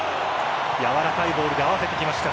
やわらかいボールで合わせてきました。